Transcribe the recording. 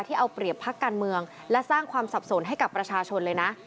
เอาเปรียบพักการเมืองและสร้างความสับสนให้กับประชาชนเลยนะ